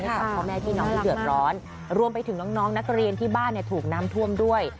กับพ่อแม่พี่น้องที่เดือดร้อนรวมไปถึงน้องนักเรียนที่บ้านเนี่ยถูกน้ำท่วมด้วย